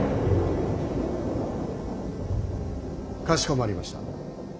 かしこまりました。